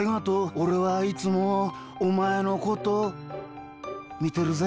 おれはいつもおまえのことみてるぜ。